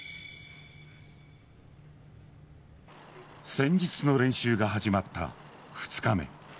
戦術の練習が始まった２日目。